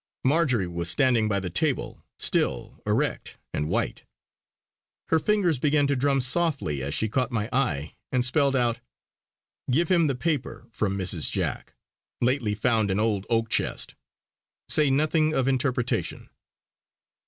Marjory was standing by the table, still, erect and white. Her fingers began to drum softly as she caught my eye, and spelled out: "Give him the paper, from Mrs. Jack. Lately found in old oak chest. Say nothing of interpretation."